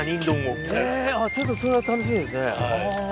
ちょっとそれは楽しみですね。